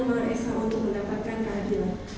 maha esa untuk mendapatkan keadilan